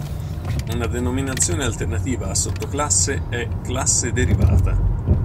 Una denominazione alternativa a "sottoclasse" è "classe derivata".